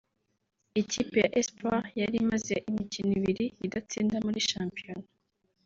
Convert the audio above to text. Ikipe ya Espoir yari imaze imikino ibiri idatsinda muri shampiyona